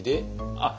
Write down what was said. あっ！